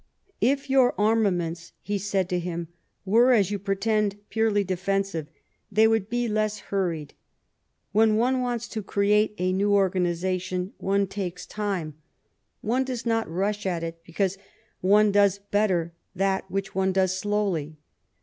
" If your armaments," he said to him, " were, as you pretend, purely defensive, they would bo less hurried. "When one wants to create a new organisation, one takes time, one 28 LIFE OF PRINCE METTEBNICE. does not riisli at it, because one docs better that which one does slowly.